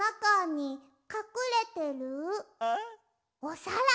おさら？